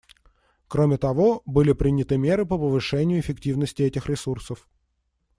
Кроме того, были приняты меры по повышению эффективности этих ресурсов.